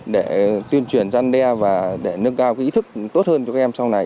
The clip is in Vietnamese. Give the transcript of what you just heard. để tuyên truyền răn đe và nâng cao ý thức tốt hơn cho các em sau này